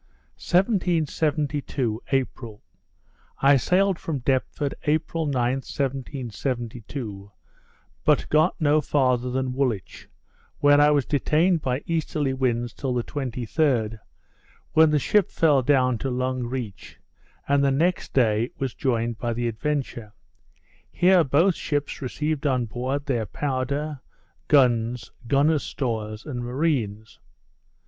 _ 1772 April I sailed from Deptford, April 9th, 1772, but got no farther than Woolwich, where I was detained by easterly winds till the 23d, when the ship fell down to Long Reach, and the next day was joined by the Adventure. Here both ships received on board their powder, guns, gunners' stores, and marines.